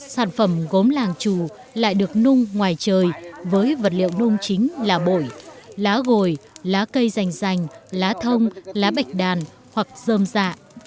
sản phẩm gốm làng trù lại được nung ngoài trời với vật liệu nung chính là bội lá gồi lá cây rành rành lá thông lá bạch đàn hoặc dơm dạ